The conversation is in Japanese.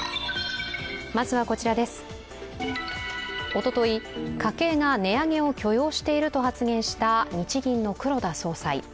おととい、家計が値上げを許容していると発言した、日銀の黒田総裁。